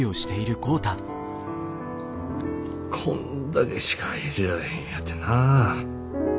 こんだけしか入れられへんやてな。